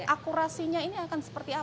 akurasinya ini akan seperti apa